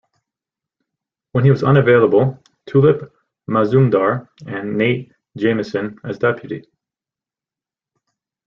When he was unavailable Tulip Mazumdar and Nat Jamieson as deputy.